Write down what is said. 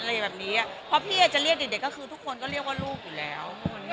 แบบนี้เพราะพี่อาจจะเรียกเด็กก็คือทุกคนก็เรียกว่าลูกอยู่แล้ว